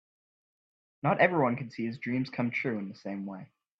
Not everyone can see his dreams come true in the same way.